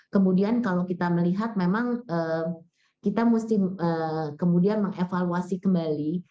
kemudian kalau kita melihat memang kita mesti kemudian mengevaluasi kembali